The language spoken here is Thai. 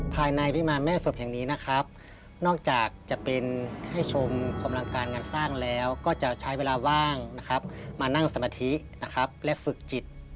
ภายในวิมารแม่ศพแห่งนี้นะครับนอกจากจะเป็นให้ชมกำลังการงานสร้างแล้วก็จะใช้เวลาว่างนะครับมานั่งสมาธินะครับและฝึกจิต